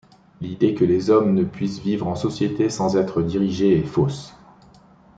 L’idée que les hommes ne puissent vivre en société sans être dirigés est fausse.